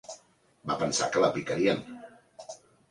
Va pensar que la picarien.